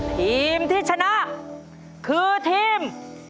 ทีมที่ชนะคือทีม